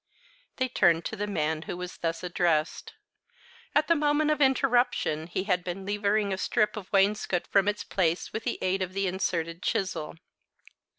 They turned to the man who was thus addressed. At the moment of interruption he had been levering a strip of wainscot from its place with the aid of the inserted chisel.